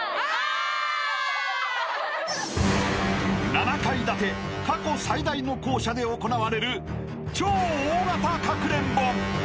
［７階建て過去最大の校舎で行われる超大型かくれんぼ！］